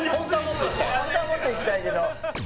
本当はもっといきたい？